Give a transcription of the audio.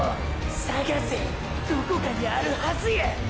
探せどこかにあるはずや！！